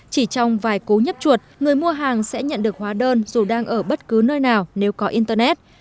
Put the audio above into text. chỉ trong vài cố nhấp chuột người mua hàng sẽ nhận được hóa đơn dù đang ở bất cứ nơi nào nếu có internet